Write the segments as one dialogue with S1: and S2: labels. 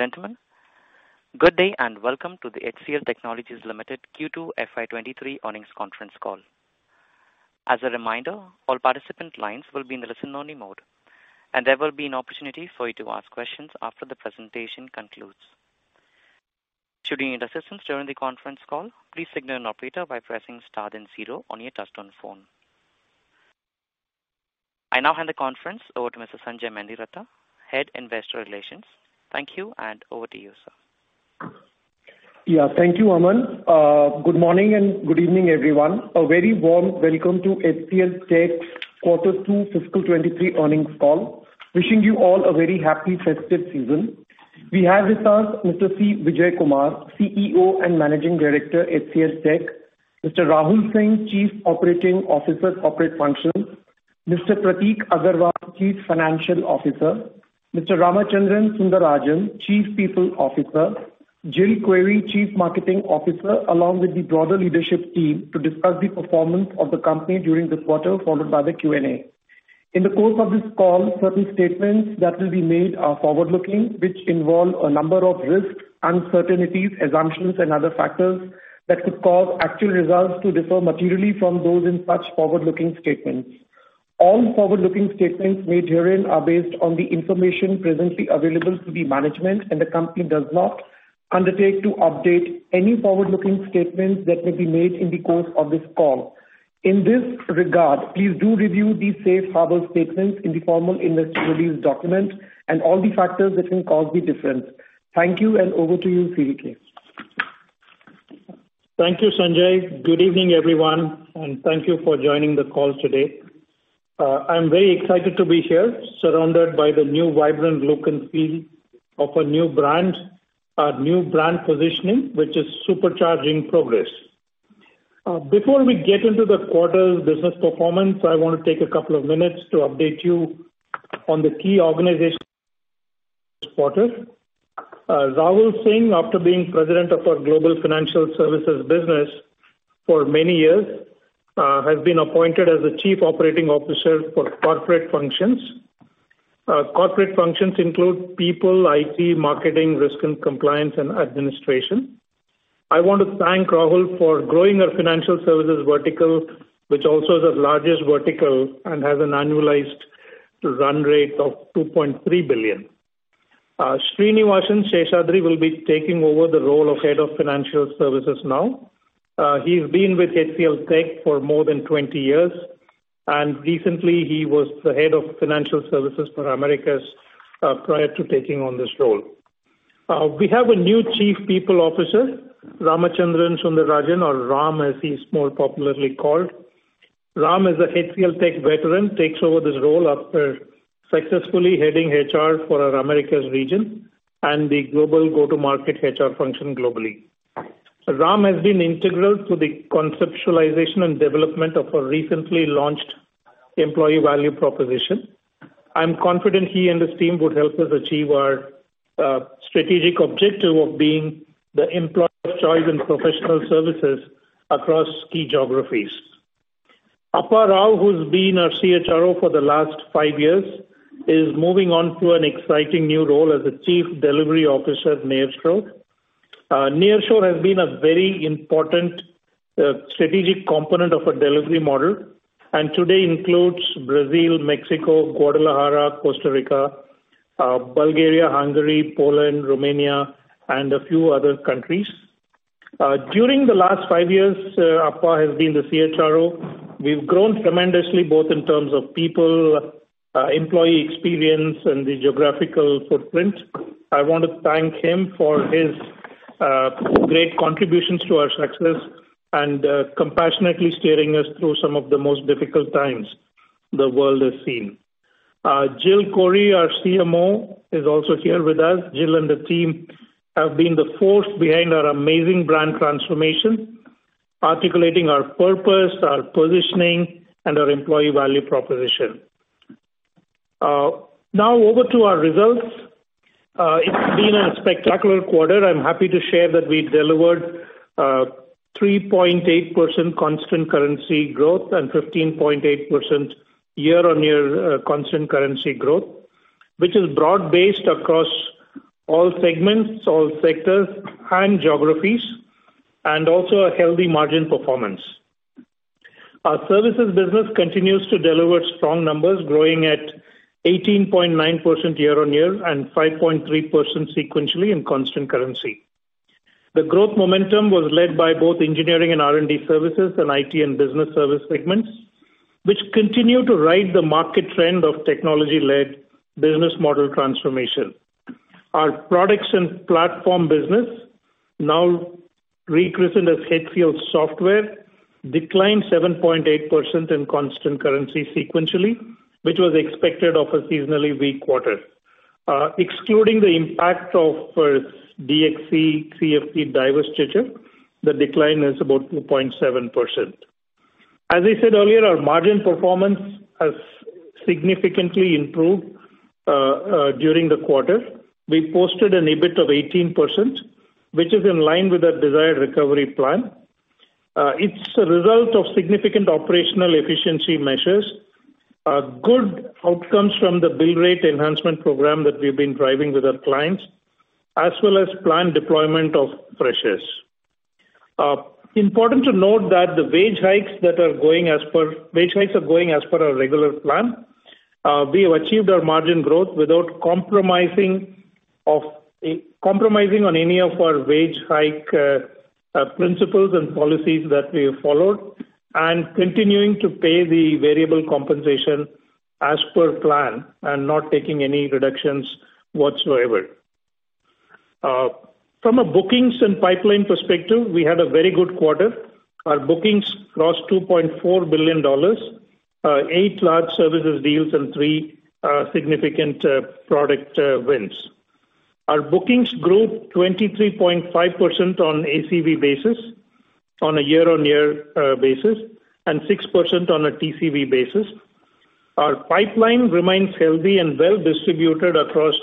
S1: Ladies and gentlemen, good day and welcome to the HCL Technologies Limited Q2 FY 2023 Earnings Conference Call. As a reminder, all participant lines will be in the listen only mode, and there will be an opportunity for you to ask questions after the presentation concludes. Should you need assistance during the conference call, please signal an operator by pressing star then zero on your touchtone phone. I now hand the conference over to Mr. Sanjay Mendiratta, Head, Investor Relations. Thank you and over to you, sir.
S2: Yeah, thank you, Aman. Good morning and good evening, everyone. A very warm welcome to HCLTech's Quarter two Fiscal 2023 Earnings Call. Wishing you all a very happy festive season. We have with us Mr. C. Vijayakumar, CEO and Managing Director, HCLTech. Mr. Rahul Singh, Chief Operating Officer, Corporate Functions. Mr. Prateek Aggarwal, Chief Financial Officer. Mr. Ramachandran Sundararajan, Chief People Officer. Jill Kouri, Chief Marketing Officer, along with the broader leadership team to discuss the performance of the company during this quarter, followed by the Q&A. In the course of this call, certain statements that will be made are forward-looking, which involve a number of risks, uncertainties, assumptions and other factors that could cause actual results to differ materially from those in such forward-looking statements. All forward-looking statements made herein are based on the information presently available to the management, and the company does not undertake to update any forward-looking statements that may be made in the course of this call. In this regard, please do review the safe harbor statements in the formal investor release document and all the factors that can cause the difference. Thank you and over to you, CVK.
S3: Thank you, Sanjay. Good evening, everyone, and thank you for joining the call today. I'm very excited to be here surrounded by the new vibrant look and feel of a new brand. Our new brand positioning, which is supercharging progress. Before we get into the quarter's business performance, I wanna take a couple of minutes to update you on the key organizational changes. Rahul Singh, after being president of our global financial services business for many years, has been appointed as the Chief Operating Officer for corporate functions. Corporate functions include people, IT, marketing, risk and compliance and administration. I want to thank Rahul for growing our financial services vertical, which also is our largest vertical and has an annualized run rate of $2.3 billion. Srinivasan Seshadri will be taking over the role of head of financial services now. He's been with HCLTech for more than 20 years, and recently he was the head of financial services for Americas, prior to taking on this role. We have a new Chief People Officer, Ramachandran Sundararajan or Ram, as he's more popularly called. Ram is a HCLTech veteran, takes over this role after successfully heading HR for our Americas region and the global go-to-market HR function globally. Ram has been integral to the conceptualization and development of our recently launched employee value proposition. I'm confident he and his team would help us achieve our strategic objective of being the employer of choice in professional services across key geographies. Apparao, who's been our CHRO for the last five years, is moving on to an exciting new role as the Chief Delivery Officer at nearshore. Nearshore has been a very important strategic component of our delivery model and today includes Brazil, Mexico, Guadalajara, Costa Rica, Bulgaria, Hungary, Poland, Romania and a few other countries. During the last five years, Appa has been the CHRO. We've grown tremendously, both in terms of people, employee experience and the geographical footprint. I want to thank him for his great contributions to our success and compassionately steering us through some of the most difficult times the world has seen. Jill Kouri, our CMO, is also here with us. Jill and the team have been the force behind our amazing brand transformation, articulating our purpose, our positioning, and our employee value proposition. Now over to our results. It's been a spectacular quarter. I'm happy to share that we delivered 3.8% constant currency growth and 15.8% year-on-year constant currency growth, which is broad-based across all segments, all sectors and geographies, and also a healthy margin performance. Our services business continues to deliver strong numbers, growing at 18.9% year-on-year and 5.3% sequentially in constant currency. The growth momentum was led by both Engineering and R&D Services and IT and Business Services segments, which continue to ride the market trend of technology-led business model transformation. Our products and platform business, now rechristened as HCLSoftware, declined 7.8% in constant currency sequentially, which was expected of a seasonally weak quarter. Excluding the impact of DXC CFT divestiture, the decline is about 2.7%. As I said earlier, our margin performance has significantly improved during the quarter. We posted an EBIT of 18%, which is in line with our desired recovery plan. It's a result of significant operational efficiency measures, good outcomes from the bill rate enhancement program that we've been driving with our clients, as well as planned deployment of pressures. Important to note that the wage hikes are going as per our regular plan. We have achieved our margin growth without compromising on any of our wage hike principles and policies that we have followed and continuing to pay the variable compensation as per plan and not taking any reductions whatsoever. From a bookings and pipeline perspective, we had a very good quarter. Our bookings crossed $2.4 billion, eight large services deals and three significant product wins. Our bookings grew 23.5% on ACV basis on a year-on-year basis and 6% on a TCV basis. Our pipeline remains healthy and well-distributed across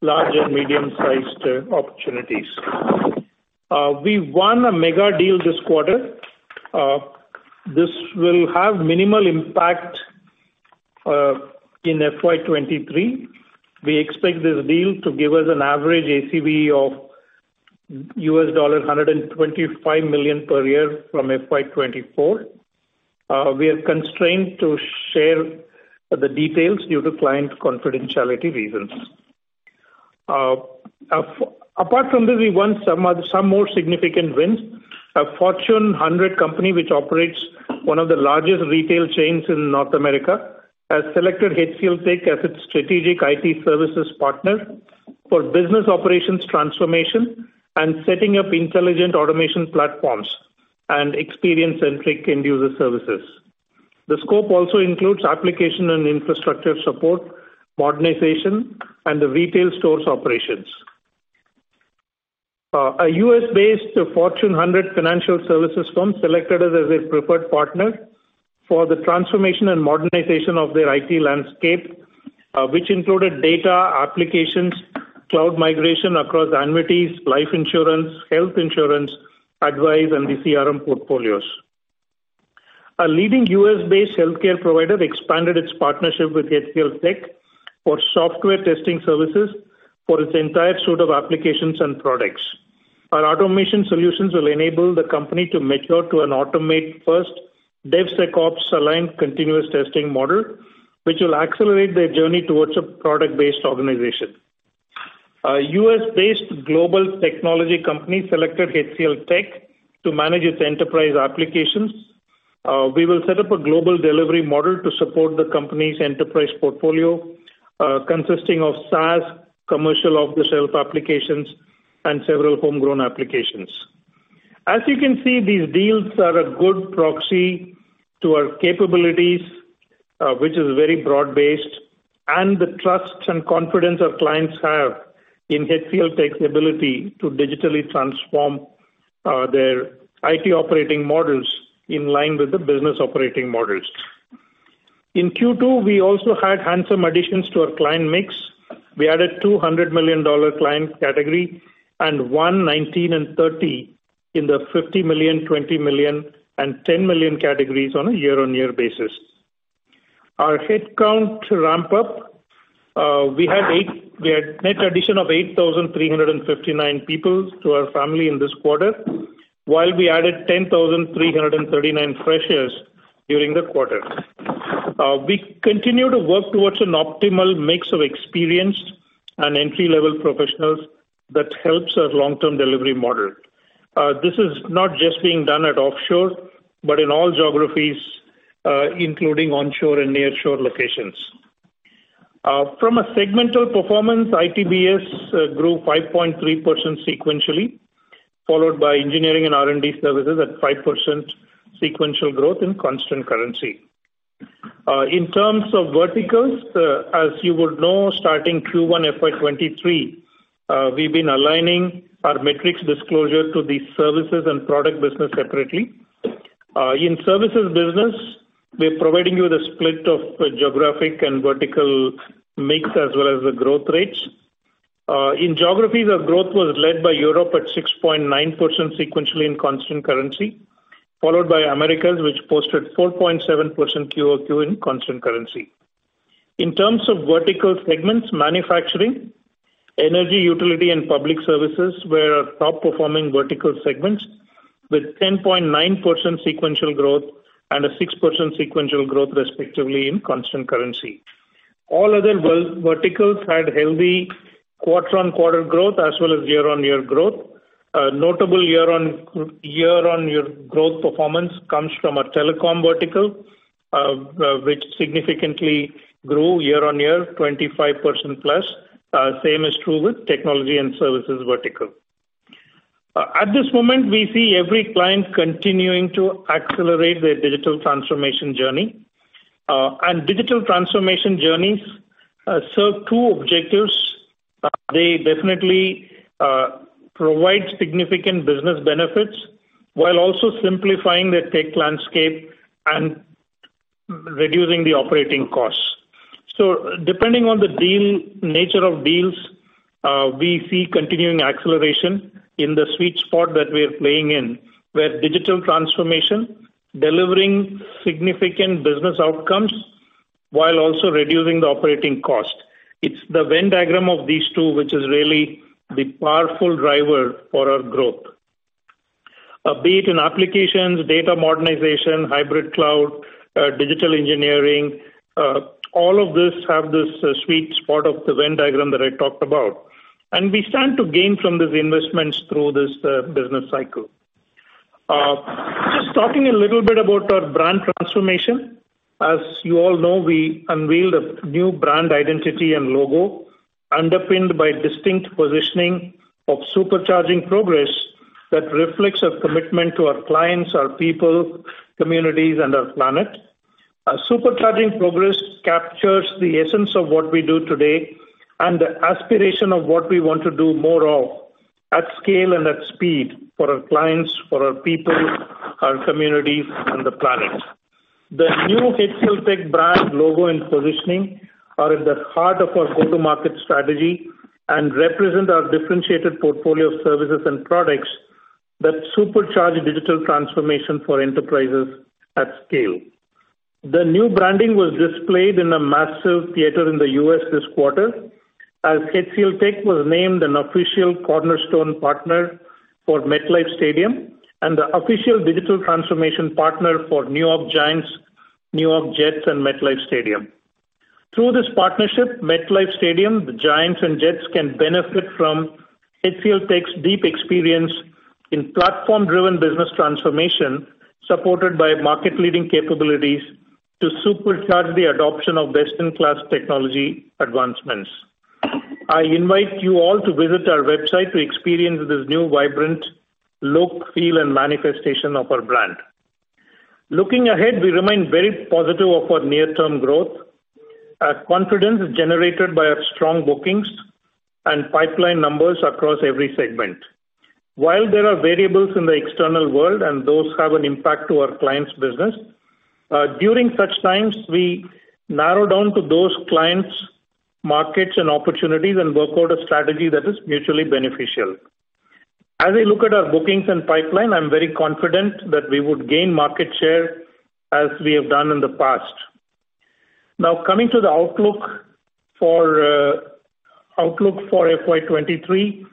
S3: large and medium-sized opportunities. We won a mega deal this quarter. This will have minimal impact in FY 2023. We expect this deal to give us an average ACV of $125 million per year from FY 2024. We are constrained to share the details due to client confidentiality reasons. Apart from this, we won some more significant wins. A Fortune 100 company which operates one of the largest retail chains in North America has selected HCLTech as its strategic IT services partner for business operations transformation and setting up intelligent automation platforms and experience-centric end-user services. The scope also includes application and infrastructure support, modernization and the retail stores operations. A US-based Fortune 100 financial services firm selected us as a preferred partner for the transformation and modernization of their IT landscape, which included data applications, cloud migration across annuities, life insurance, health insurance, advisory and the CRM portfolios. A leading US-based healthcare provider expanded its partnership with HCLTech for software testing services for its entire suite of applications and products. Our automation solutions will enable the company to mature to an automation-first DevSecOps-aligned continuous testing model, which will accelerate their journey towards a product-based organization. A US-based global technology company selected HCLTech to manage its enterprise applications. We will set up a global delivery model to support the company's enterprise portfolio, consisting of SaaS, commercial off-the-shelf applications, and several homegrown applications. As you can see, these deals are a good proxy to our capabilities, which is very broad-based, and the trust and confidence our clients have in HCLTech's ability to digitally transform their IT operating models in line with the business operating models. In Q2, we also had handsome additions to our client mix. We added $200 million client category and one, 19, and 30 in the $50 million, $20 million, and $10 million categories on a year-on-year basis. Our headcount ramp up, we had 8... We had net addition of 8,359 people to our family in this quarter, while we added 10,339 freshers during the quarter. We continue to work towards an optimal mix of experienced and entry-level professionals that helps our long-term delivery model. This is not just being done at offshore, but in all geographies, including onshore and nearshore locations. From a segmental performance, ITBS grew 5.3% sequentially, followed by Engineering and R&D Services at 5% sequential growth in constant currency. In terms of verticals, as you would know, starting Q1 FY 2023, we've been aligning our metrics disclosure to the services and product business separately. In services business, we're providing you the split of geographic and vertical mix as well as the growth rates. In geographies, our growth was led by Europe at 6.9% sequentially in constant currency, followed by Americas, which posted 4.7% QOQ in constant currency. In terms of vertical segments, manufacturing, energy, utility and public services were our top performing vertical segments with 10.9% sequential growth and a 6% sequential growth respectively in constant currency. All other verticals had healthy quarter-on-quarter growth as well as year-on-year growth. A notable year-on-year growth performance comes from our telecom vertical, which significantly grew year-on-year 25%+. Same is true with technology and services vertical. At this moment, we see every client continuing to accelerate their digital transformation journey. Digital transformation journeys serve two objectives. They definitely provide significant business benefits while also simplifying their tech landscape and reducing the operating costs. Depending on the nature of deals, we see continuing acceleration in the sweet spot that we're playing in, where digital transformation delivering significant business outcomes while also reducing the operating cost. It's the Venn diagram of these two which is really the powerful driver for our growth. Be it in applications, data modernization, hybrid cloud, digital engineering, all of these have this sweet spot of the Venn diagram that I talked about, and we stand to gain from these investments through this business cycle. Just talking a little bit about our brand transformation. As you all know, we unveiled a new brand identity and logo underpinned by distinct positioning of supercharging progress that reflects our commitment to our clients, our people, communities and our planet. Our supercharging progress captures the essence of what we do today and the aspiration of what we want to do more of at scale and at speed for our clients, for our people, our communities, and the planet. The new HCLTech brand logo and positioning are at the heart of our go-to-market strategy and represent our differentiated portfolio of services and products that supercharge digital transformation for enterprises at scale. The new branding was displayed in a massive theater in the U.S. this quarter as HCLTech was named an official cornerstone partner for MetLife Stadium and the official digital transformation partner for New York Giants, New York Jets and MetLife Stadium. Through this partnership, MetLife Stadium, the Giants and Jets can benefit from HCLTech's deep experience in platform-driven business transformation, supported by market-leading capabilities to supercharge the adoption of best-in-class technology advancements. I invite you all to visit our website to experience this new, vibrant look, feel and manifestation of our brand. Looking ahead, we remain very positive of our near-term growth. Our confidence is generated by our strong bookings and pipeline numbers across every segment. While there are variables in the external world and those have an impact to our clients' business, during such times, we narrow down to those clients, markets and opportunities and work out a strategy that is mutually beneficial. As I look at our bookings and pipeline, I'm very confident that we would gain market share as we have done in the past. Now coming to the outlook for FY 2023,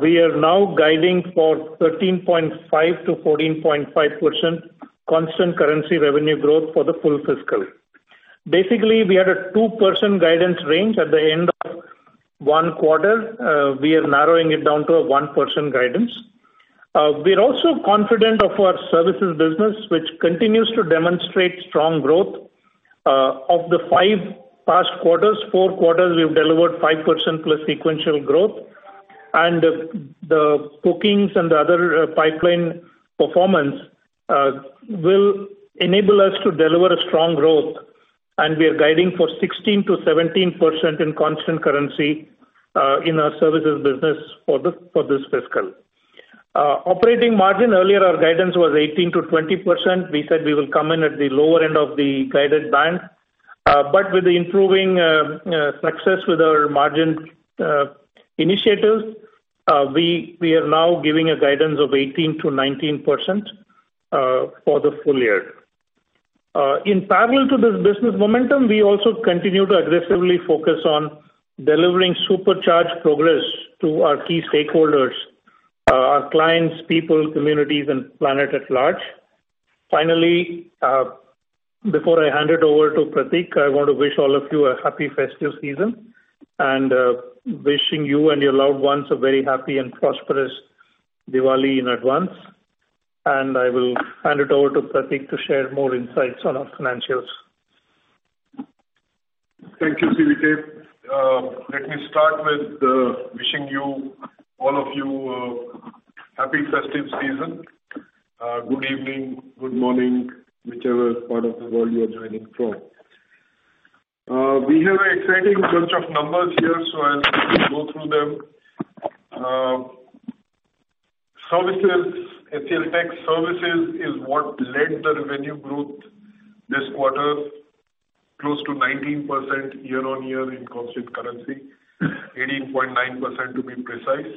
S3: we are now guiding for 13.5%-14.5% constant currency revenue growth for the full fiscal. Basically, we had a 2% guidance range at the end of one quarter. We are narrowing it down to a 1% guidance. We are also confident of our services business, which continues to demonstrate strong growth. Of the five past quarters, four quarters we've delivered 5%+ sequential growth, and the bookings and the other pipeline performance will enable us to deliver a strong growth. We are guiding for 16%-17% in constant currency in our services business for this fiscal. Operating margin, earlier our guidance was 18%-20%. We said we will come in at the lower end of the guided band. With the improving success with our margin initiatives, we are now giving a guidance of 18%-19% for the full year. In parallel to this business momentum, we also continue to aggressively focus on delivering supercharged progress to our key stakeholders, our clients, people, communities and planet at large. Finally, before I hand it over to Prateek, I want to wish all of you a happy festive season and wishing you and your loved ones a very happy and prosperous Diwali in advance. I will hand it over to Prateek to share more insights on our financials.
S4: Thank you, C. Vijayakumar. Let me start with wishing you, all of you, happy festive season. Good evening, good morning, whichever part of the world you are joining from. We have an exciting bunch of numbers here, so I'll go through them. Services, HCLTech services is what led the revenue growth this quarter, close to 19% year-on-year in constant currency, 18.9% to be precise.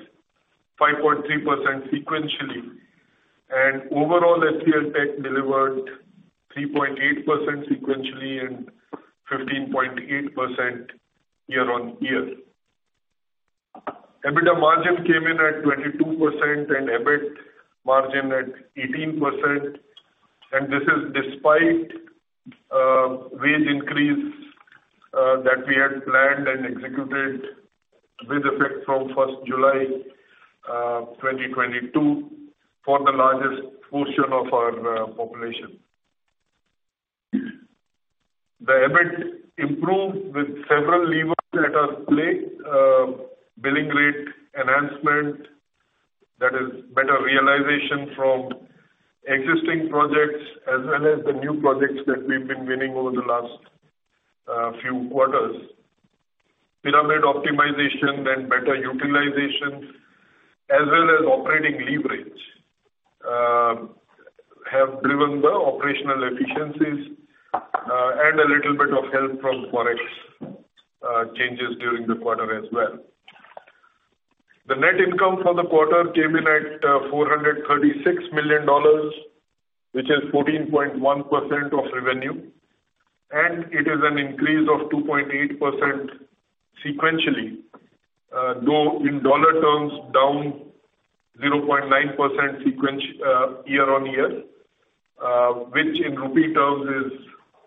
S4: 5.3% sequentially. Overall, HCLTech delivered 3.8% sequentially and 15.8% year-on-year. EBITDA margin came in at 22% and EBIT margin at 18%. This is despite wage increase that we had planned and executed with effect from 1st July, 2022 for the largest portion of our population. The EBIT improved with several levers that are played, billing rate enhancement, that is better realization from existing projects as well as the new projects that we've been winning over the last few quarters. Pyramid optimization and better utilization, as well as operating leverage, have driven the operational efficiencies, and a little bit of help from Forex changes during the quarter as well. The net income for the quarter came in at $436 million, which is 14.1% of revenue, and it is an increase of 2.8% sequentially. Though in dollar terms, down 0.9% year-on-year, which in rupee terms is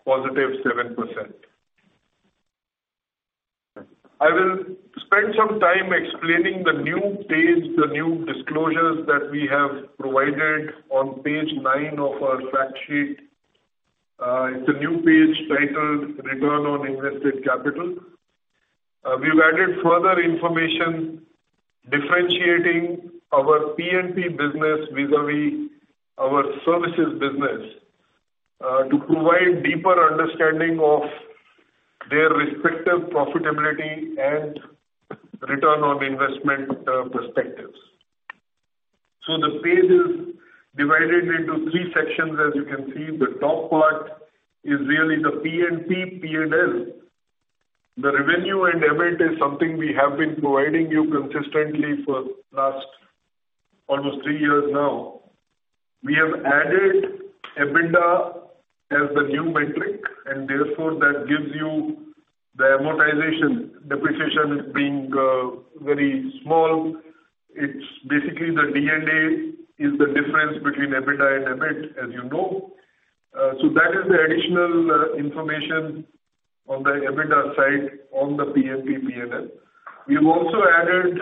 S4: positive 7%. I will spend some time explaining the new page, the new disclosures that we have provided on page nine of our fact sheet. It's a new page titled Return on Invested Capital. We've added further information differentiating our P&P business vis-à-vis our services business, to provide deeper understanding of their respective profitability and return on investment perspectives. The page is divided into three sections. As you can see, the top part is really the P&P P&L. The revenue and EBIT is something we have been providing you consistently for last almost three years now. We have added EBITDA as the new metric, and therefore, that gives you the amortization. Depreciation being very small, it's basically the D&A is the difference between EBITDA and EBIT, as you know. That is the additional information on the EBITDA side on the P&P P&L. We have also added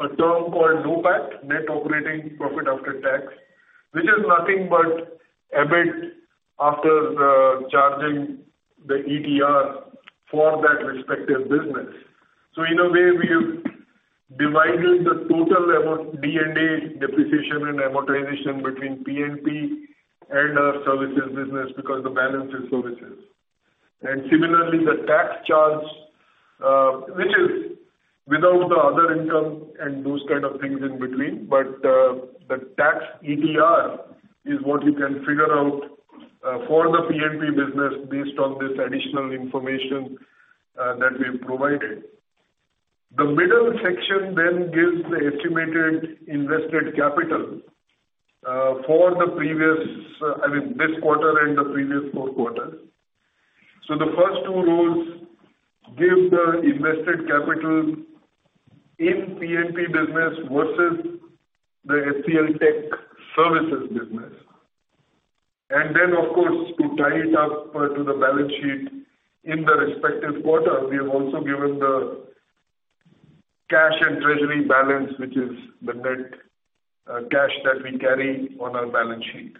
S4: a term called NOPAT, net operating profit after tax, which is nothing but EBIT after charging the ETR for that respective business. In a way, we have divided the total amount D&A, depreciation and amortization between P&P and our services business because the balance is services. Similarly, the tax charge, which is without the other income and those kind of things in between. The tax ETR is what you can figure out for the P&P business based on this additional information that we've provided. The middle section then gives the estimated invested capital for the previous, I mean, this quarter and the previous four quarters. The first two rows give the invested capital in P&P business vs the HCLTech services business. Of course, to tie it up, to the balance sheet in the respective quarter, we have also given the cash and treasury balance, which is the net cash that we carry on our balance sheet.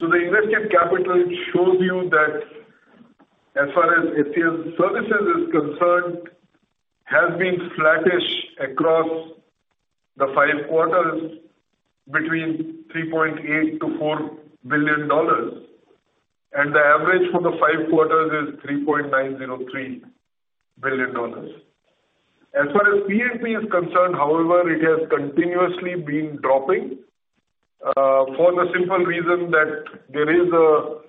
S4: The invested capital shows you that, as far as HCL Services is concerned, has been flattish across the five quarters between $3.8 billion-$4 billion, and the average for the five quarters is $3.903 billion. As far as P&P is concerned, however, it has continuously been dropping, for the simple reason that there is a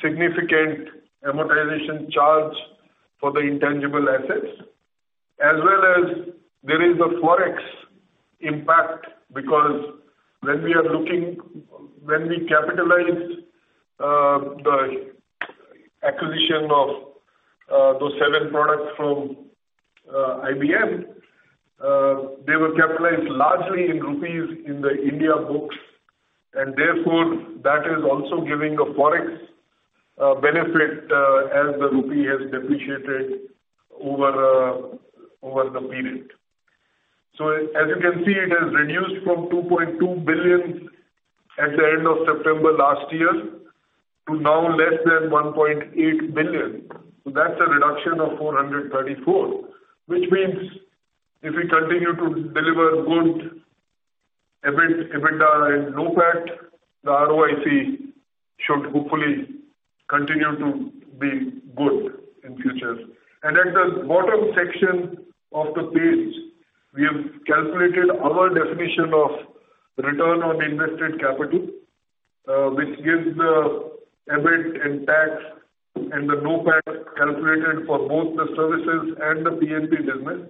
S4: significant amortization charge for the intangible assets. As well as there is a Forex impact because when we capitalize the acquisition of those seven products from IBM, they were capitalized largely in rupees in the India books, and therefore, that is also giving a Forex benefit as the rupee has depreciated over the period. As you can see, it has reduced from $2.2 billion at the end of September last year to now less than $1.8 billion. That's a reduction of $434 million, which means if we continue to deliver good EBIT, EBITDA and NOPAT, the ROIC should hopefully continue to be good in future. At the bottom section of the page, we have calculated our definition of return on invested capital, which gives the EBIT and tax and the NOPAT calculated for both the services and the P&P business.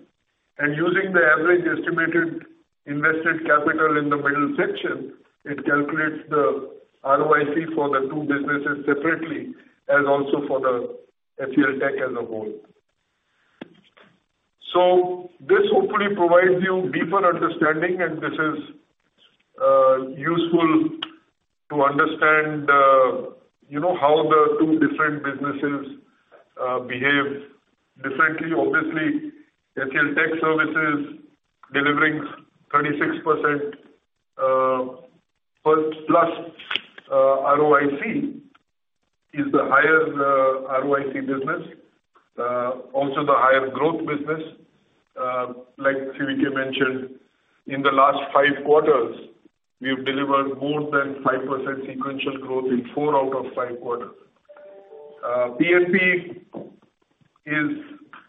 S4: Using the average estimated invested capital in the middle section, it calculates the ROIC for the two businesses separately and also for the HCLTech as a whole. This hopefully provides you deeper understanding, and this is useful to understand, you know, how the two different businesses behave differently. Obviously, HCLTech Services delivering 36%+ ROIC is the highest ROIC business, also the higher growth business. Like CVK mentioned, in the last five quarters, we have delivered more than 5% sequential growth in four out of five quarters. P&P is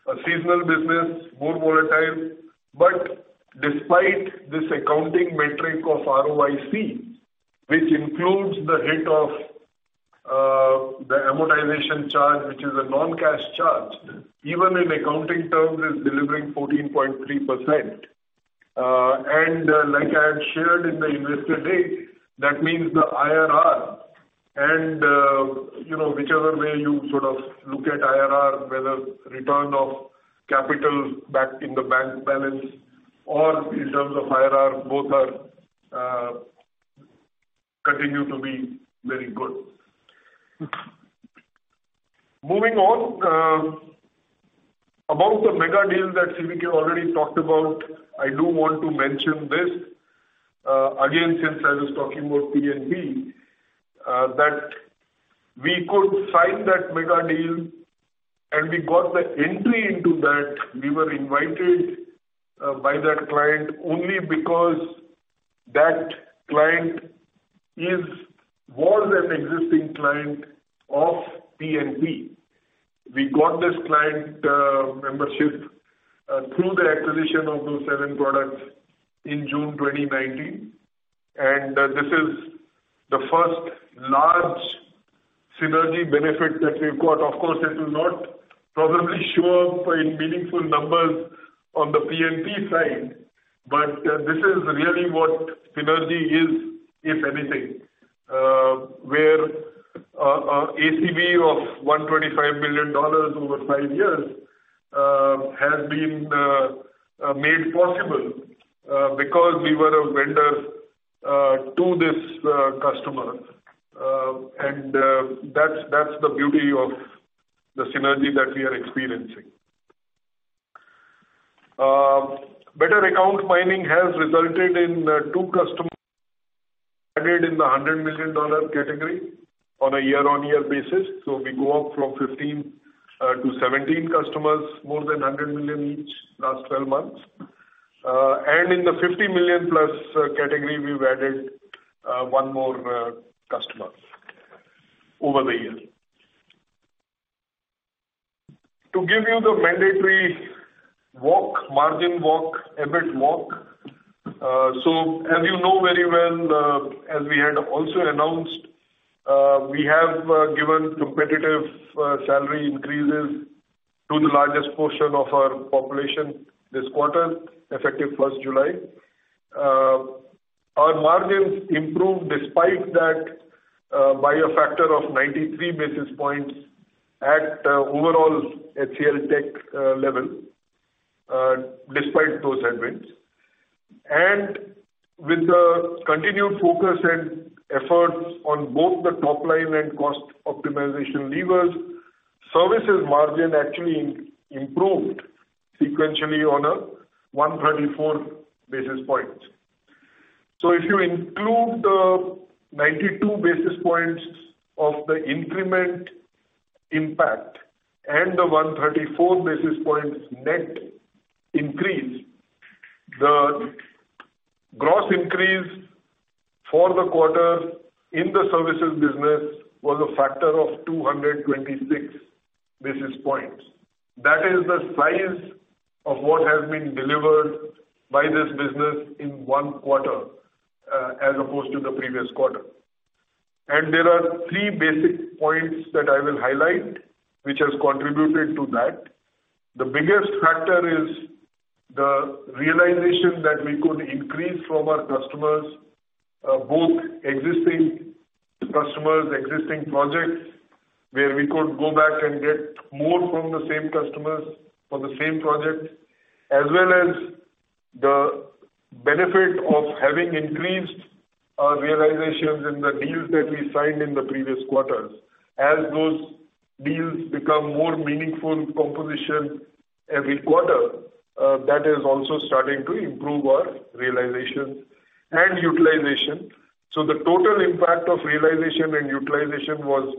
S4: a seasonal business, more volatile, but despite this accounting metric of ROIC, which includes the hit of the amortization charge, which is a non-cash charge, even in accounting terms is delivering 14.3%. Like I had shared in the Investor Day, that means the IRR and, you know, whichever way you sort of look at IRR, whether return of capital back in the bank balance or in terms of IRR, both are continue to be very good. Moving on, about the mega deal that CVK already talked about, I do want to mention this again, since I was talking about P&P, that we could sign that mega deal, and we got the entry into that. We were invited by that client only because that client is more than existing client of P&P. We got this client membership through the acquisition of those seven products in June 2019, and this is the first large synergy benefit that we've got. Of course, it will not probably show up in meaningful numbers on the P&L side, but this is really what synergy is, if anything, where ACV of $125 billion over 5 years has been made possible because we were a vendor to this customer. That's the beauty of the synergy that we are experiencing. Better account mining has resulted in two customers added in the $100 million category on a year-on-year basis. We go up from 15 to 17 customers, more than $100 million each last twelve months. In the 50 million-plus category, we've added one more customer over the year. To give you the mandatory walk, margin walk, EBIT walk. So as you know very well, as we had also announced, we have given competitive salary increases to the largest portion of our population this quarter, effective 1st July. Our margins improved despite that by a factor of 93 basis points at overall HCLTech level despite those headwinds. With the continued focus and efforts on both the top line and cost optimization levers, services margin actually improved sequentially on a 134 basis points. If you include the 92 basis points of the increment impact and the 134 basis points net increase, the gross increase for the quarter in the services business was a factor of 226 basis points. That is the size of what has been delivered by this business in one quarter, as opposed to the previous quarter. There are three basic points that I will highlight which has contributed to that. The biggest factor is the realization that we could increase from our customers, both existing customers, existing projects, where we could go back and get more from the same customers for the same project, as well as the benefit of having increased, realizations in the deals that we signed in the previous quarters. As those deals become more meaningful composition every quarter, that is also starting to improve our realization and utilization. The total impact of realization and utilization was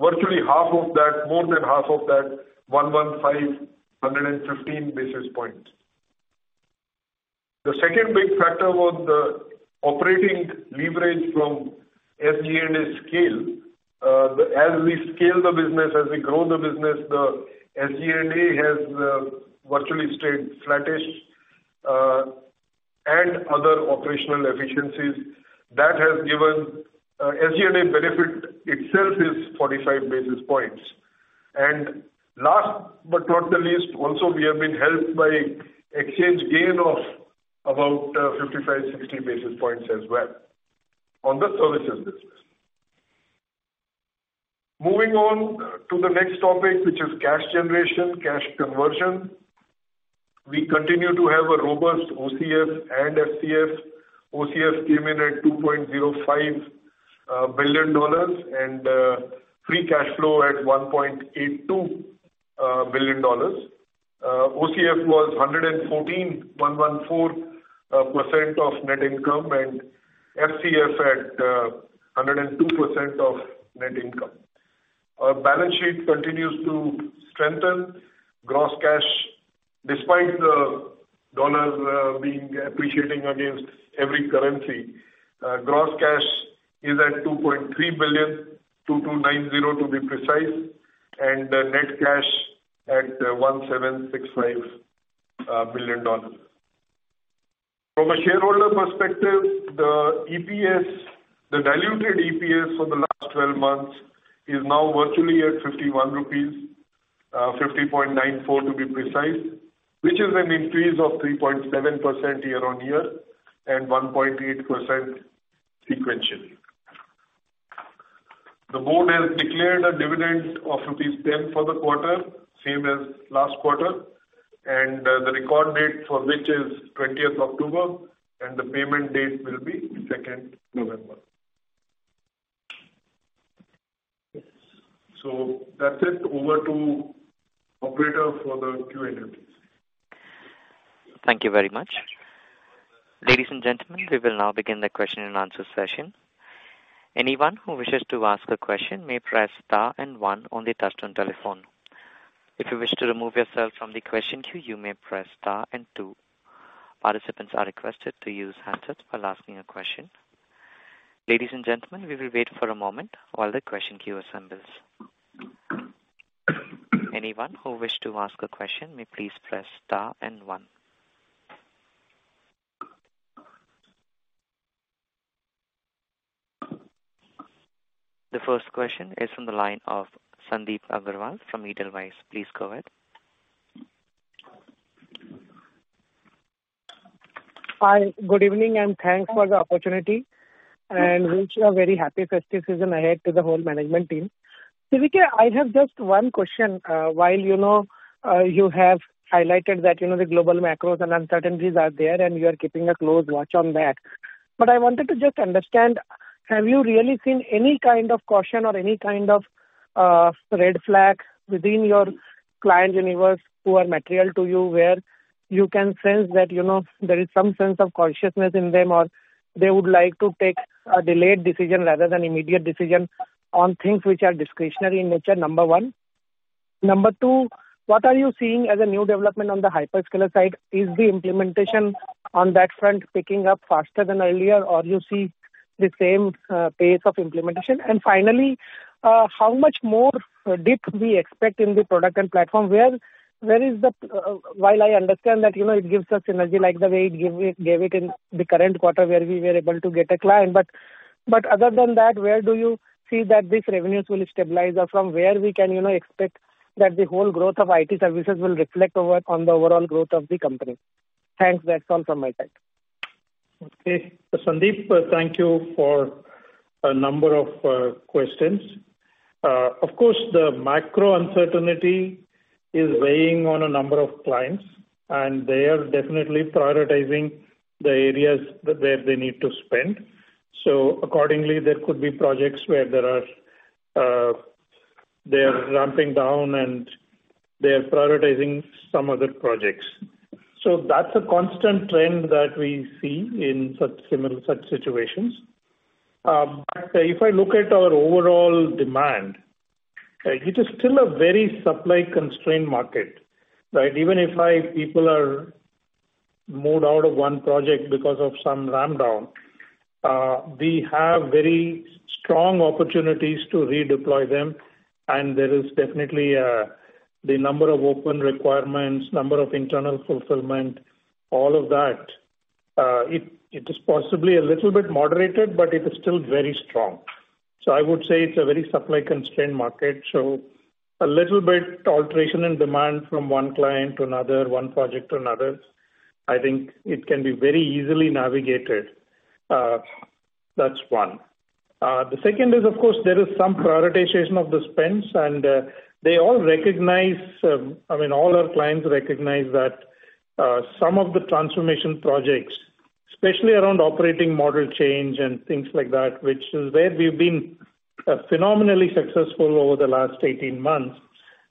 S4: virtually half of that, more than half of that 115 basis points. The second big factor was the operating leverage from SG&A scale. As we scale the business, as we grow the business, the SG&A has virtually stayed flattish and other operational efficiencies. That has given SG&A benefit itself is 45 basis points. Last but not the least, also we have been helped by exchange gain of about 55-60 basis points as well on the services business. Moving on to the next topic, which is cash generation, cash conversion. We continue to have a robust OCF and FCF. OCF came in at $2.05 billion and free cash flow at $1.82 billion. OCF was 114% of net income and FCF at 102% of net income. Our balance sheet continues to strengthen gross cash despite the dollars being appreciating against every currency. Gross cash is at $2.3 billion, $2,290 million to be precise, and the net cash at $1,765 million, billion dollars. From a shareholder perspective, the EPS, the diluted EPS for the last twelve months is now virtually at 51 rupees, 50.94 to be precise, which is an increase of 3.7% year-on-year and 1.8% sequentially. The board has declared a dividend of rupees 10 for the quarter, same as last quarter, and the record date for which is twentieth October and the payment date will be second November. That's it. Over to operator for the Q&A, please.
S1: Thank you very much. Ladies and gentlemen, we will now begin the question and answer session. Anyone who wishes to ask a question may press star and one on the touchtone telephone. If you wish to remove yourself from the question queue, you may press star and two. Participants are requested to use handsets while asking a question. Ladies and gentlemen, we will wait for a moment while the question queue assembles. Anyone who wish to ask a question may please press star and one. The first question is from the line of Sandeep Agarwal from Edelweiss. Please go ahead.
S5: Hi. Good evening, and thanks for the opportunity and wish a very happy festive season ahead to the whole management team. VK, I have just one question. While, you know, you have highlighted that, you know, the global macros and uncertainties are there and you are keeping a close watch on that. I wanted to just understand, have you really seen any kind of caution or any kind of red flag within your client universe who are material to you, where you can sense that, you know, there is some sense of cautiousness in them, or they would like to take a delayed decision rather than immediate decision on things which are discretionary in nature, number one. Number two, what are you seeing as a new development on the hyperscaler side? Is the implementation on that front picking up faster than earlier, or you see the same pace of implementation? Finally, how much more depth we expect in the product and platform? Where is the? While I understand that, you know, it gives us synergy, like the way it gave it in the current quarter where we were able to get a client. Other than that, where do you see that these revenues will stabilize us from where we can, you know, expect that the whole growth of IT services will reflect over on the overall growth of the company? Thanks. That's all from my side.
S3: Okay. Sandeep, thank you for a number of questions. Of course, the macro uncertainty is weighing on a number of clients, and they are definitely prioritizing the areas where they need to spend. Accordingly, there could be projects where they are ramping down and they are prioritizing some other projects. That's a constant trend that we see in such similar situations. If I look at our overall demand, it is still a very supply constrained market, right? Even if my people are moved out of one project because of some run-down, we have very strong opportunities to redeploy them, and there is definitely the number of open requirements, number of internal fulfillment, all of that, it is possibly a little bit moderated, but it is still very strong. I would say it's a very supply constrained market. A little bit alteration in demand from one client to another, one project to another, I think it can be very easily navigated. That's one. The second is of course there is some prioritization of the spends and they all recognize, I mean all our clients recognize that some of the transformation projects, especially around operating model change and things like that, which is where we've been phenomenally successful over the last 18 months.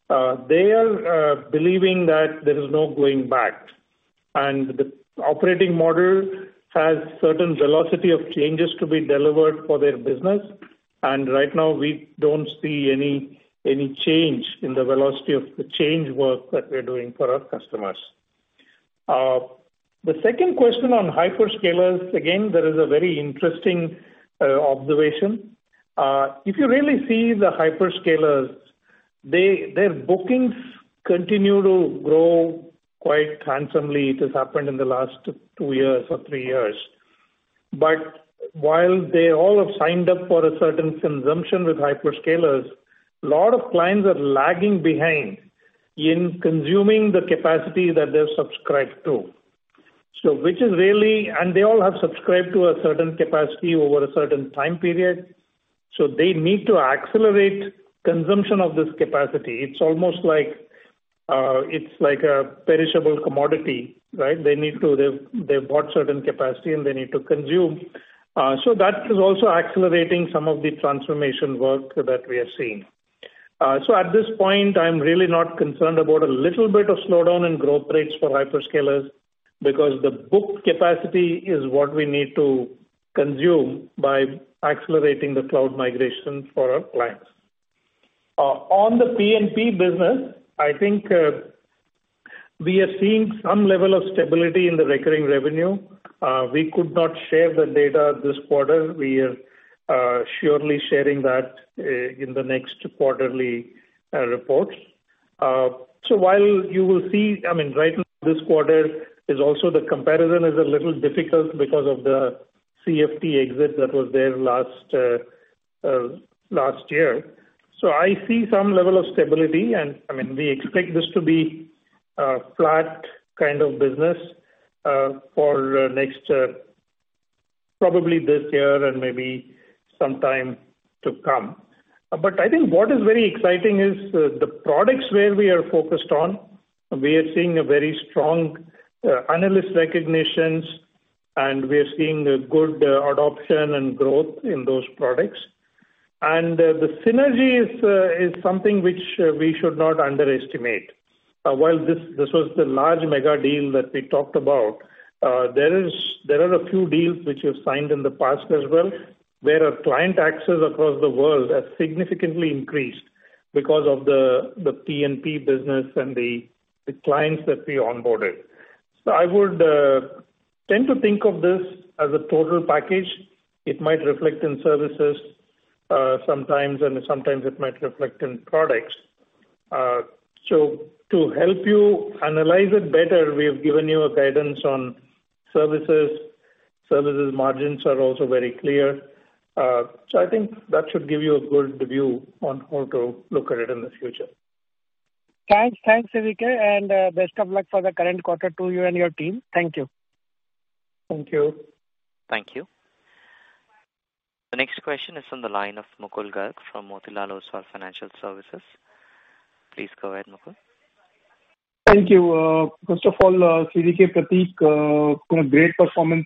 S3: They are believing that there is no going back. The operating model has certain velocity of changes to be delivered for their business. Right now we don't see any change in the velocity of the change work that we're doing for our customers. The second question on hyperscalers, again, there is a very interesting observation. If you really see the hyperscalers, their bookings continue to grow quite handsomely. It has happened in the last two years or three years. While they all have signed up for a certain consumption with hyperscalers, a lot of clients are lagging behind in consuming the capacity that they've subscribed to. They all have subscribed to a certain capacity over a certain time period, so they need to accelerate consumption of this capacity. It's almost like, it's like a perishable commodity, right? They need to, they've bought certain capacity and they need to consume. That is also accelerating some of the transformation work that we are seeing. At this point I'm really not concerned about a little bit of slowdown in growth rates for hyperscalers, because the booked capacity is what we need to consume by accelerating the cloud migration for our clients. On the P&P business, I think we are seeing some level of stability in the recurring revenue. We could not share the data this quarter. We are surely sharing that in the next quarterly report. While you will see, I mean, right now, this quarter is also the comparison is a little difficult because of the CFT exit that was there last year. I see some level of stability. I mean, we expect this to be a flat kind of business for next, probably this year and maybe some time to come. I think what is very exciting is the products where we are focused on. We are seeing a very strong analyst recognitions, and we are seeing a good adoption and growth in those products. The synergy is something which we should not underestimate. While this was the large mega deal that we talked about, there are a few deals which we've signed in the past as well, where our client access across the world has significantly increased because of the P&P business and the clients that we onboarded. I would tend to think of this as a total package. It might reflect in services sometimes, and sometimes it might reflect in products. To help you analyze it better, we have given you a guidance on services. Services margins are also very clear. I think that should give you a good view on how to look at it in the future.
S5: Thanks. Thanks, CVK, and best of luck for the current quarter to you and your team. Thank you.
S3: Thank you.
S1: Thank you. The next question is on the line of Mukul Garg from Motilal Oswal Financial Services. Please go ahead, Mukul.
S6: Thank you. First of all, CVK, Prateek, great performance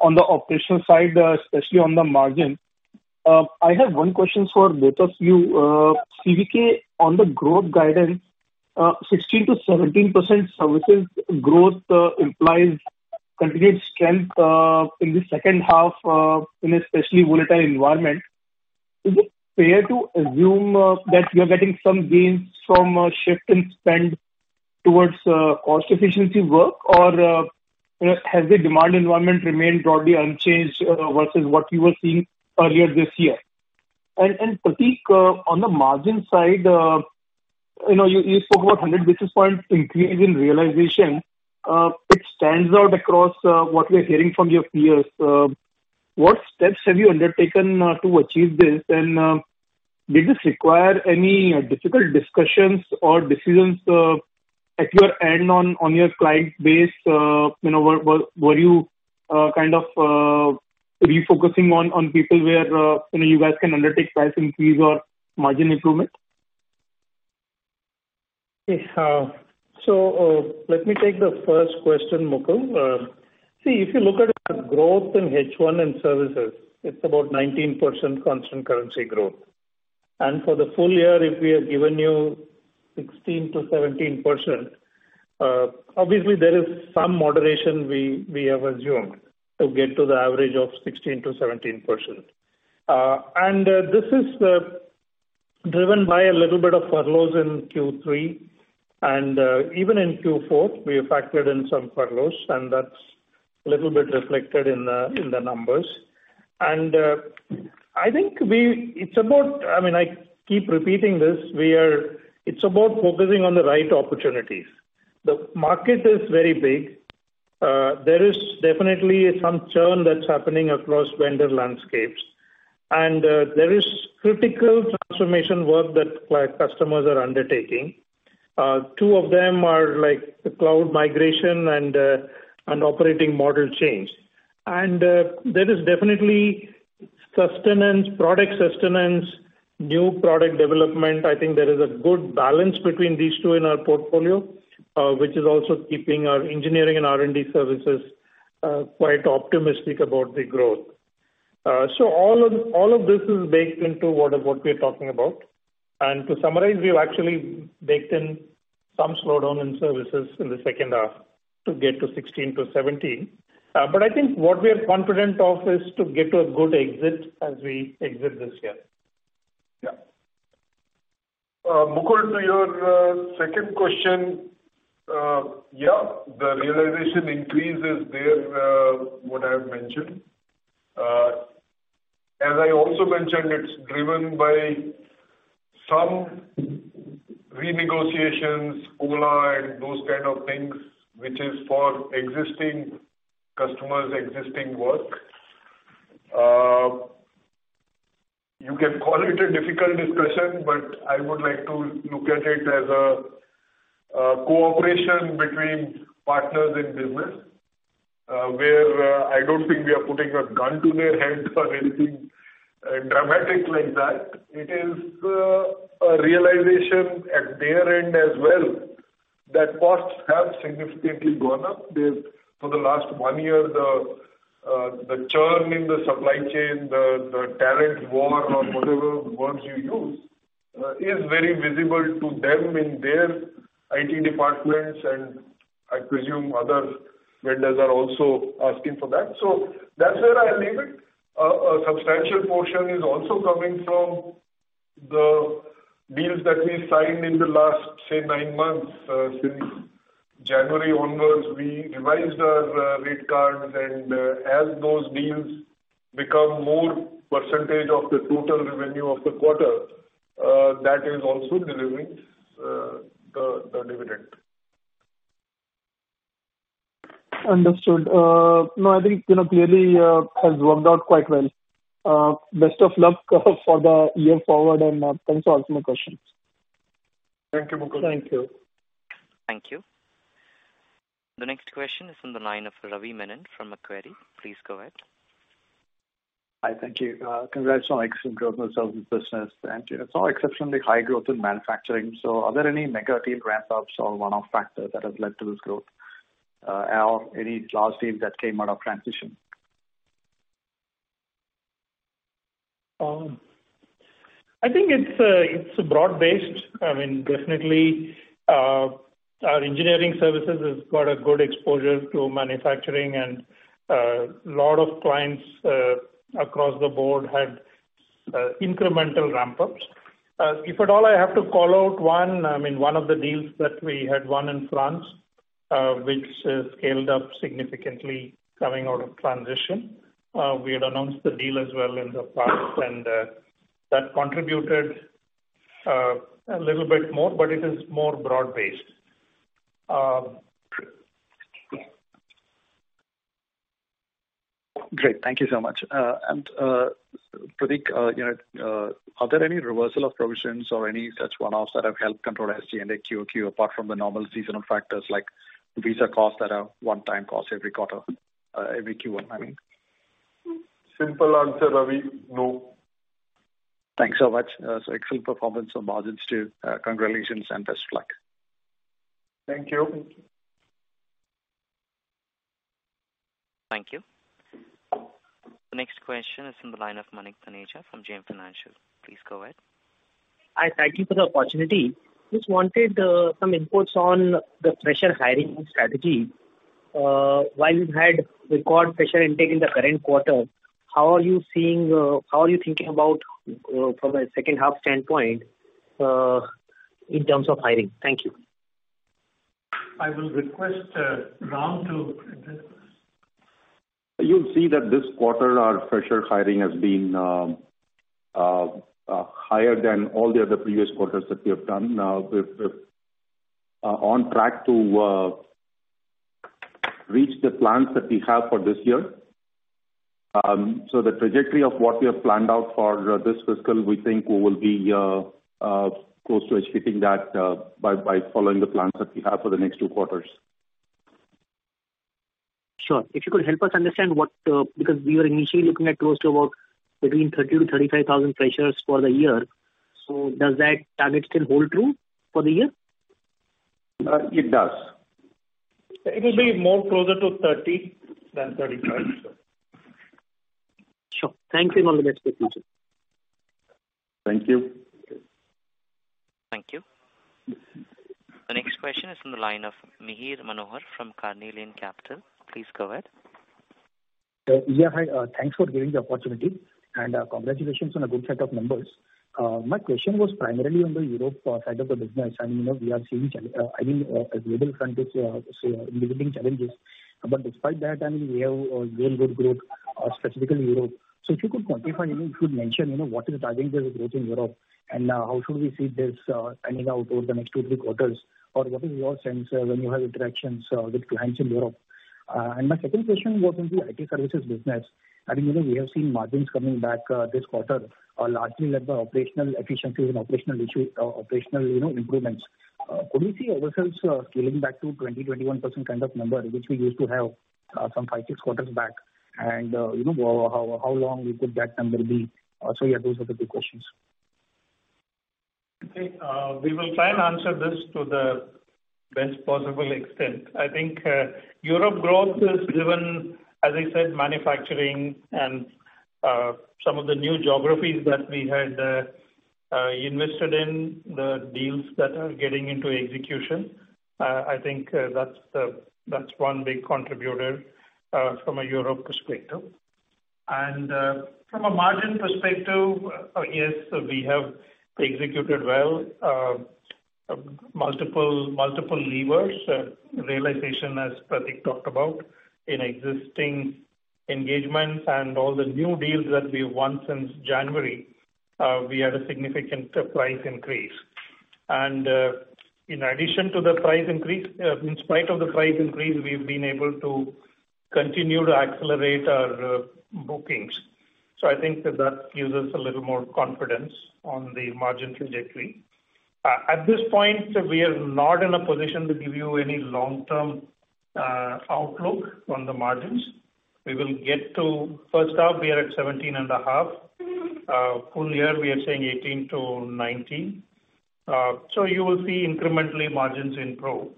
S6: on the operational side, especially on the margin. I have one question for both of you. CVK, on the growth guidance, 16%-17% services growth, implies continued strength in the second half in an especially volatile environment. Is it fair to assume that you're getting some gains from a shift in spend towards cost efficiency work? Or has the demand environment remained broadly unchanged vs what you were seeing earlier this year? Prateek, on the margin side, you know, you spoke about 100 basis points increase in realization. It stands out across what we're hearing from your peers. What steps have you undertaken to achieve this? Did this require any difficult discussions or decisions at your end on your client base? You know, were you kind of refocusing on people where you know, you guys can undertake price increase or margin improvement?
S3: Yes. Let me take the first question, Mukul. See, if you look at our growth in H1 and services, it's about 19% constant currency growth. For the full year, if we have given you 16%-17%, obviously there is some moderation we have assumed to get to the average of 16%-17%. This is driven by a little bit of furloughs in Q3. Even in Q4, we have factored in some furloughs, and that's a little bit reflected in the numbers. I think. It's about focusing on the right opportunities. I mean, I keep repeating this. The market is very big. There is definitely some churn that's happening across vendor landscapes, and there is critical transformation work that customers are undertaking. Two of them are, like, the cloud migration and operating model change. There is definitely sustenance, product sustenance, new product development. I think there is a good balance between these two in our portfolio, which is also keeping our Engineering and R&D Services quite optimistic about the growth. All of this is baked into what we're talking about. To summarize, we have actually baked in some slowdown in services in the second half to get to 16%-17%. I think what we are confident of is to get to a good exit as we exit this year.
S6: Yeah.
S3: Mukul, to your second question. Yeah, the realization increase is there, what I've mentioned. As I also mentioned, it's driven by some renegotiations, COLA and those kind of things, which is for existing customers, existing work. You can call it a difficult discussion, but I would like to look at it as a cooperation between partners in business, where I don't think we are putting a gun to their heads or anything dramatic like that. It is a realization at their end as well that costs have significantly gone up. For the last one year, the churn in the supply chain, the talent war or whatever words you use is very visible to them in their IT departments, and I presume other vendors are also asking for that. So that's where I'll leave it. A substantial portion is also coming from the deals that we signed in the last, say, nine months. Since January onwards, we revised our rate cards, and as those deals become more percentage of the total revenue of the quarter, that is also delivering the dividend.
S6: Understood. No, I think, you know, clearly, has worked out quite well. Best of luck for the year forward, and thanks for answering my questions.
S3: Thank you, Mukul.
S6: Thank you.
S1: Thank you. The next question is in the line of Ravi Menon from Macquarie. Please go ahead.
S7: Hi. Thank you. Congrats on excellent growth in the services business. You know, I saw exceptionally high growth in manufacturing. Are there any negative ramp-ups or one-off factors that have led to this growth, or any large deals that came out of transition?
S3: I think it's broad-based. I mean, definitely, our engineering services has got a good exposure to manufacturing and lot of clients across the board had incremental ramp-ups. If at all I have to call out one, I mean, one of the deals that we had won in France, which has scaled up significantly coming out of transition. We had announced the deal as well in the past, and that contributed a little bit more, but it is more broad-based.
S7: Great. Thank you so much. Prateek, you know, are there any reversal of provisions or any such one-offs that have helped control SG&A QOQ, apart from the normal seasonal factors like visa costs that are one-time costs every quarter, every Q1, I mean?
S4: Simple answer, Ravi, no.
S7: Thanks so much. Excellent performance on margins too. Congratulations and best of luck.
S3: Thank you.
S1: Thank you. The next question is from the line of Manik Taneja from JM Financial. Please go ahead.
S8: Hi. Thank you for the opportunity. Just wanted some inputs on the fresher hiring strategy. While you had record fresher intake in the current quarter, how are you seeing, how are you thinking about, from a second half standpoint, in terms of hiring? Thank you.
S3: I will request Ram to address this.
S9: You'll see that this quarter our fresher hiring has been higher than all the other previous quarters that we have done. We're on track to reach the plans that we have for this year. The trajectory of what we have planned out for this fiscal, we think we will be close to achieving that by following the plans that we have for the next two quarters.
S8: Sure. If you could help us understand what, because we were initially looking at close to about between 30,000-35,000 freshers for the year. Does that target still hold true for the year?
S9: It does.
S3: It will be more closer to 30 than 35.
S8: Sure. Thanks a lot.
S9: Thank you.
S1: Thank you. The next question is from the line of Mihir Manohar from Carnelian Capital. Please go ahead.
S10: Yeah, hi. Thanks for giving the opportunity, and, congratulations on a good set of numbers. My question was primarily on the Europe side of the business. You know, we are seeing. I mean, global front is seeing limiting challenges. Despite that, I mean, we have real good growth, specifically Europe. If you could quantify, you know, if you could mention, you know, what is driving this growth in Europe, and, how should we see this, panning out over the next two to three quarters? Or what is your sense when you have interactions, with clients in Europe? And my second question was on the IT services business. I mean, you know, we have seen margins coming back, this quarter, largely led by operational efficiencies and operational, you know, improvements. Could we see ourselves scaling back to 20-21% kind of number, which we used to have some five to six quarters back? You know, how long we could that number be? Those are the two questions.
S3: Okay. We will try and answer this to the best possible extent. I think Europe growth is driven, as I said, manufacturing and some of the new geographies that we had invested in the deals that are getting into execution. I think that's one big contributor from a Europe perspective. From a margin perspective, yes, we have executed well multiple levers. Realization, as Prateek talked about, in existing engagements and all the new deals that we won since January, we had a significant price increase. In addition to the price increase, in spite of the price increase, we've been able to continue to accelerate our bookings. I think that gives us a little more confidence on the margin trajectory. At this point, we are not in a position to give you any long-term outlook on the margins. We will get to first half. We are at 17.5%. Full year we are saying 18%-19%. You will see incrementally margins improve.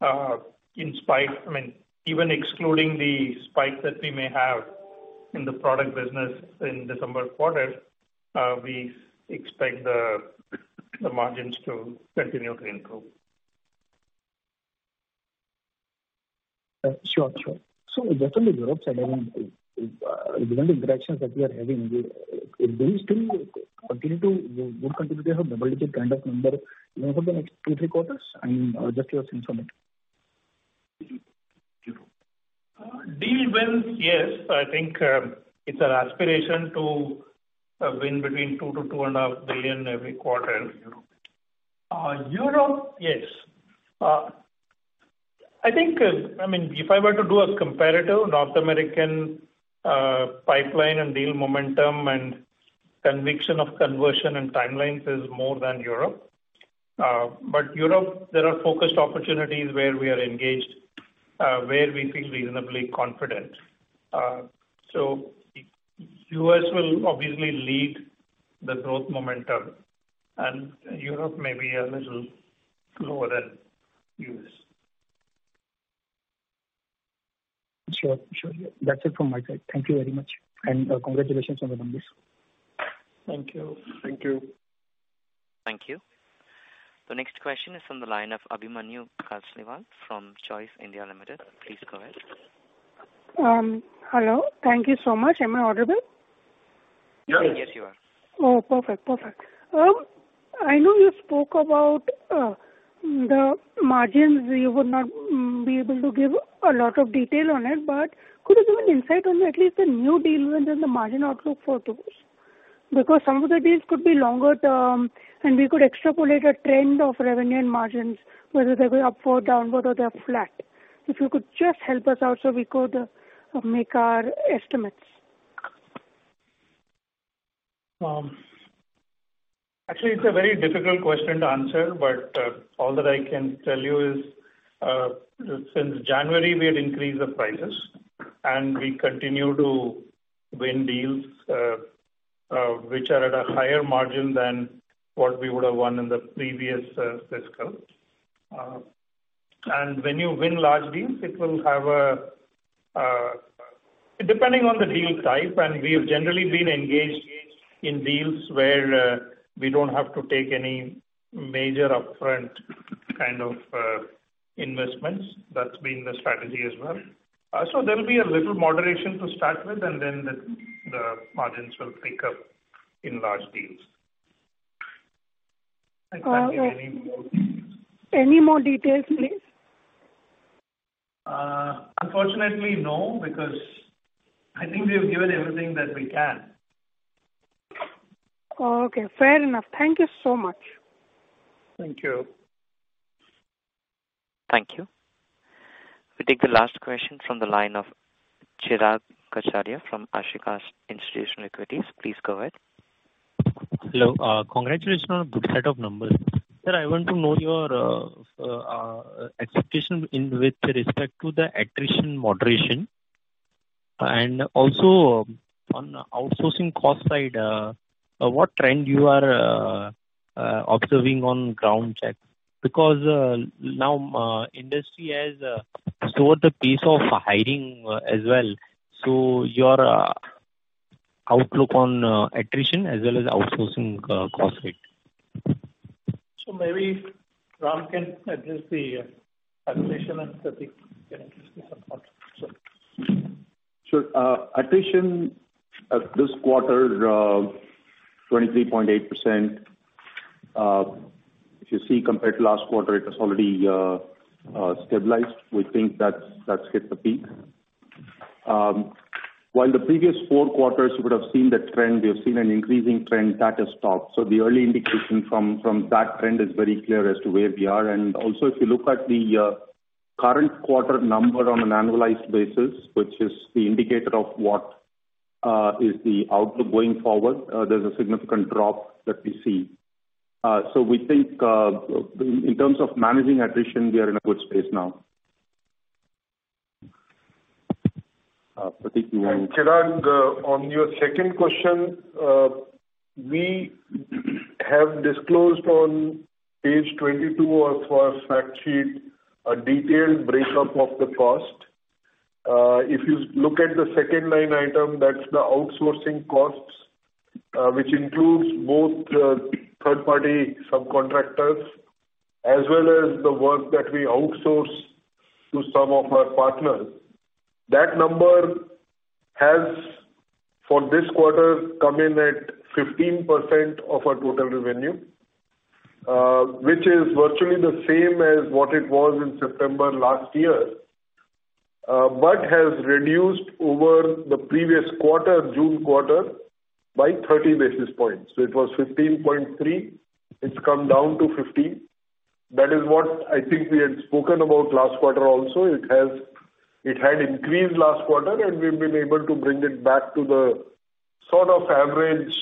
S3: I mean, even excluding the spike that we may have in the product business in December quarter, we expect the margins to continue to improve.
S10: Just on the Europe side, I mean, given the interactions that we are having, will this deal continue to have double-digit kind of number even for the next two, three quarters? Just your sentiment.
S3: Deal wins, yes. I think it's an aspiration to win between $2 billion and $2.5 billion every quarter in Europe. Europe, yes. I think I mean, if I were to do a comparative North American pipeline and deal momentum and conviction of conversion and timelines is more than Europe. Europe, there are focused opportunities where we are engaged, where we feel reasonably confident. U.S. will obviously lead the growth momentum, and Europe may be a little lower than U.S.
S10: Sure, sure. That's it from my side. Thank you very much, and congratulations on the numbers.
S3: Thank you.
S4: Thank you.
S1: Thank you. The next question is from the line of Abhimanyu Kasliwal from Choice Equity Broking. Please go ahead.
S11: Hello. Thank you so much. Am I audible?
S1: Yes, you are.
S11: Oh, perfect. I know you spoke about the margins. You would not be able to give a lot of detail on it, but could you give an insight on at least the new deal wins and the margin outlook for those? Because some of the deals could be longer term, and we could extrapolate a trend of revenue and margins, whether they're going upward, downward, or they're flat. If you could just help us out so we could make our estimates.
S3: Actually, it's a very difficult question to answer, but all that I can tell you is, since January, we had increased the prices and we continue to win deals which are at a higher margin than what we would have won in the previous fiscal. When you win large deals, it will have a, depending on the deal type, and we've generally been engaged in deals where we don't have to take any major upfront kind of investments. That's been the strategy as well. There'll be a little moderation to start with, and then the margins will pick up in large deals.
S11: Oh, okay.
S3: I can't give any more details.
S11: Any more details, please?
S3: Unfortunately, no, because I think we have given everything that we can.
S11: Okay. Fair enough. Thank you so much.
S3: Thank you.
S1: Thank you. We take the last question from the line of Chirag Kachhadiya from Ashika Institutional Equities. Please go ahead.
S12: Hello. Congratulations on a good set of numbers. Sir, I want to know your expectation with respect to the attrition moderation. Also on outsourcing cost side, what trend you are observing on the ground? Because now, industry has slowed the pace of hiring as well, so your outlook on attrition as well as outsourcing cost rate.
S3: Maybe Ram can address the attrition, and Prateek can address the cost.
S9: Sure. Attrition this quarter 23.8%. If you see compared to last quarter, it has already stabilized. We think that's hit the peak. While the previous four quarters you would have seen the trend, we have seen an increasing trend, that has stopped. The early indication from that trend is very clear as to where we are. If you look at the current quarter number on an annualized basis, which is the indicator of what is the outlook going forward, there's a significant drop that we see. We think in terms of managing attrition, we are in a good space now.
S3: Prateek, you want to?
S4: Chirag, on your second question, we have disclosed on page 22 of our fact sheet a detailed break-up of the cost. If you look at the second line item, that's the outsourcing costs, which includes both third-party subcontractors as well as the work that we outsource to some of our partners. That number has, for this quarter, come in at 15% of our total revenue, which is virtually the same as what it was in September last year. But has reduced over the previous quarter, June quarter, by 30 basis points. It was 15.3, it's come down to 15. That is what I think we had spoken about last quarter also. It had increased last quarter, and we've been able to bring it back to the sort of average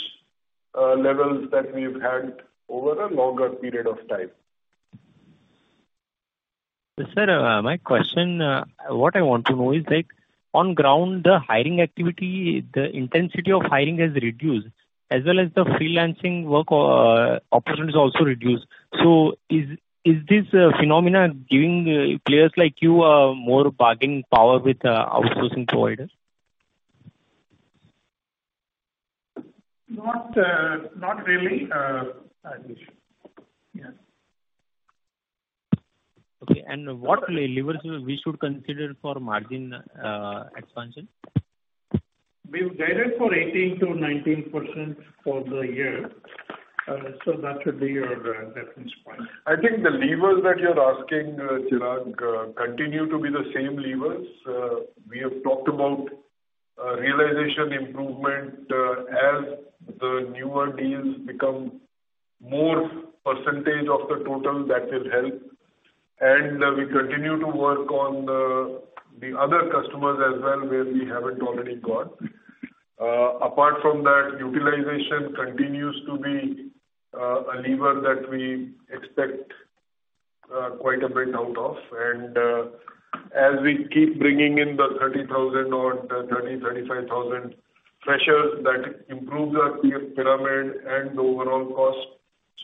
S4: levels that we've had over a longer period of time.
S12: Sir, my question, what I want to know is like on ground, the hiring activity, the intensity of hiring has reduced as well as the freelancing work, options also reduced. Is this phenomenon giving players like you more bargaining power with outsourcing providers?
S3: Not really, I guess. Yeah.
S12: Okay. What levers we should consider for margin expansion?
S3: We've guided for 18%-19% for the year, so that should be your reference point.
S4: I think the levers that you're asking, Chirag, continue to be the same levers. We have talked about realization improvement, as the newer deals become more percentage of the total that will help. We continue to work on the other customers as well, where we haven't already got. Apart from that, utilization continues to be a lever that we expect quite a bit out of. As we keep bringing in the 30,000 or 35,000 freshers, that improves our skill pyramid and the overall cost.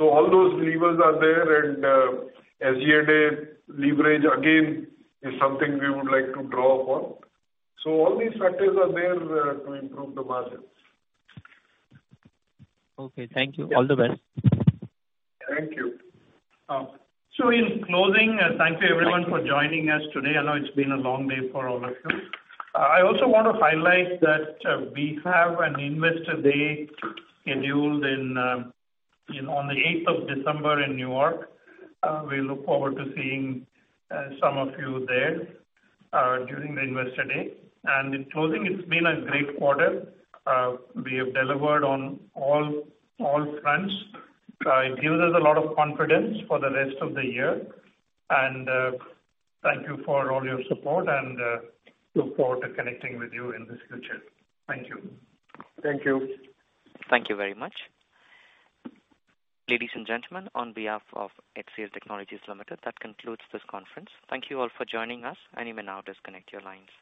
S4: All those levers are there and asset leverage again is something we would like to draw upon. All these factors are there to improve the margins.
S12: Okay. Thank you. All the best.
S3: Thank you. So in closing, thank you everyone for joining us today. I know it's been a long day for all of you. I also want to highlight that we have an investor day scheduled on the eighth of December in New York. We look forward to seeing some of you there during the investor day. In closing, it's been a great quarter. We have delivered on all fronts. It gives us a lot of confidence for the rest of the year. Thank you for all your support and look forward to connecting with you in the future. Thank you.
S4: Thank you.
S1: Thank you very much. Ladies and gentlemen, on behalf of HCL Technologies Limited, that concludes this conference. Thank you all for joining us, and you may now disconnect your lines.